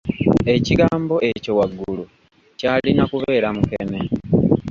Ekigambo ekyo waggulu kyalina kubeera "mukene"